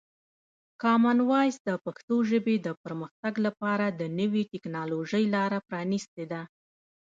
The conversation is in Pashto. کامن وایس د پښتو ژبې د پرمختګ لپاره د نوي ټکنالوژۍ لاره پرانیستې ده.